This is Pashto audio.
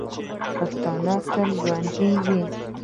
پښتون به تل ژوندی وي.